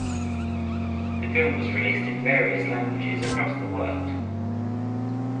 The film was released in various languages across the world.